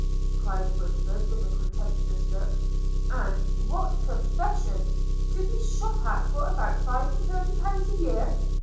cried Woodford with a contemptuous look; 'and what a profession! – To be shot at for about five and thirty pounds a year!